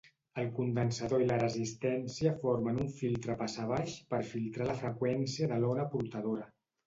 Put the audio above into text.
El condensador i la resistència formen un filtre passabaix per filtrar la freqüència de l'ona portadora.